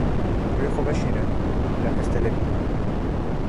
Rûyê xwe veşêre bila kes te nebîne.